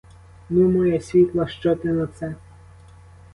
Ну, моя світла, що ти на це?